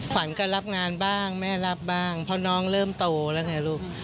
ขวัญก็รับงานบ้างแม่รับบ้างเพราะน้องเริ่มโตแล้วไงลูก